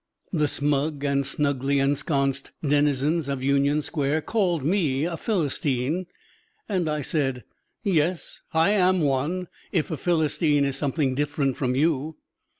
The Smug and Snugly Ensconced Denizens of Union Square called me a Philistine, and I said, "Yes, I am one, if a Philistine is something different from you."